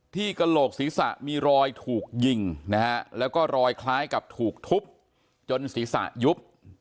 กระโหลกศีรษะมีรอยถูกยิงนะฮะแล้วก็รอยคล้ายกับถูกทุบจนศีรษะยุบ